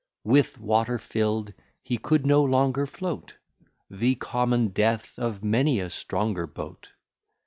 With water fill'd, he could no longer float, The common death of many a stronger boat.